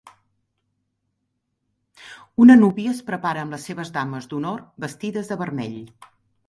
Una núvia es prepara amb les seves dames d'honor vestides de vermell.